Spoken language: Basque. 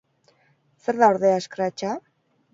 Zer da ordea scratch-a?